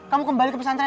kamu kembali ke pesantren